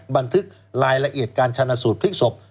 บันทึกรายละเอียดการชนะสูตรพลิกศพ